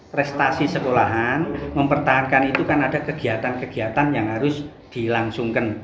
prestasi sekolahan mempertahankan itu kan ada kegiatan kegiatan yang harus dilangsungkan